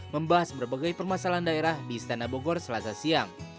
membahas berbagai permasalahan daerah di istana bogor selasa siang